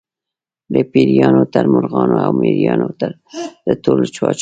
له پېریانو تر مرغانو او مېږیانو د ټولو پاچا و.